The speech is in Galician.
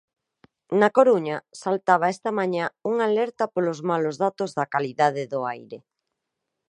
Na Coruña, saltaba esta mañá unha alerta polos malos datos da calidade do aire.